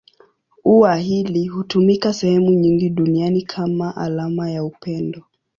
Ua hili hutumika sehemu nyingi duniani kama alama ya upendo.